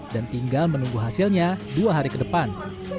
dan tinggal menunggu hasilnya dua hari ke depan